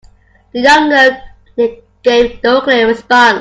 The young girl gave no clear response.